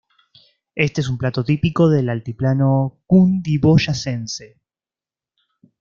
Este es un plato típico del altiplano Cundiboyacense.